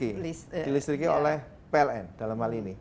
dilistriki oleh pln dalam hal ini